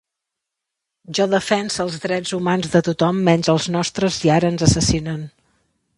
Jo defense els drets humans de tothom menys els nostres i ara ens assassinen